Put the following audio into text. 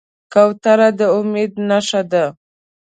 کوتره د امید نښه ده.